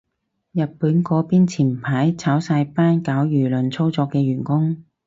日本嗰邊前排炒晒班搞輿論操作嘅員工